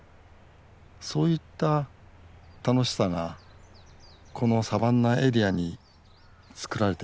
そういった楽しさがこのサバンナエリアに作られています。